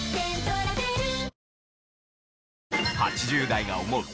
８０代が思う